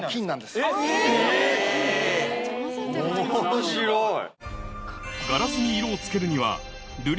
面白い。